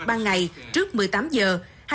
ban ngày trước một mươi tám giờ